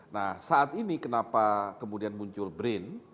nah saat ini kenapa kemudian muncul brin